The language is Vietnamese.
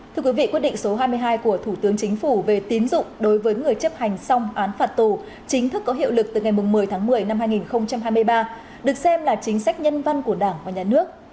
thưa quý vị quyết định số hai mươi hai của thủ tướng chính phủ về tín dụng đối với người chấp hành xong án phạt tù chính thức có hiệu lực từ ngày một mươi tháng một mươi năm hai nghìn hai mươi ba được xem là chính sách nhân văn của đảng và nhà nước